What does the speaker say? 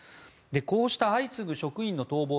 こうした相次ぐ職員の逃亡